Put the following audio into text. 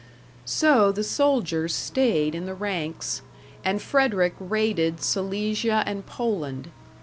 So the soldiers stayed in the ranks, and Frederick raided Silesia and Poland.